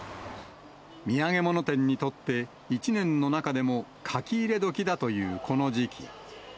土産物店にとって、一年の中でも書き入れ時だというこの時期。